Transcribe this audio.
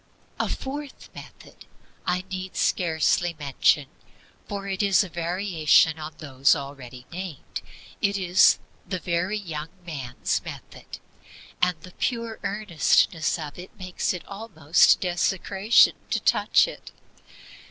4. A fourth method I need scarcely mention, for it is a variation on those already named. It is THE VERY YOUNG MAN'S METHOD; and the pure earnestness of it makes it almost desecration to touch it.